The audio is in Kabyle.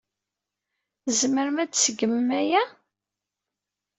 Tzemrem ad tseggmem aya?